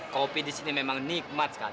kopi di sini memang nikmat sekali